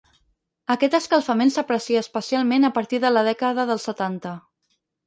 Aquest escalfament s’aprecia especialment a partir de la dècada dels setanta.